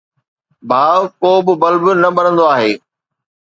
ڀاءُ، ڪو به بلب نه ٻرندو آهي